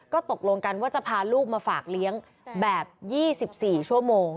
ก็ตกลงกันว่าจะพาลูกมาฝากเลี้ยงแบบ๒๔ชั่วโมง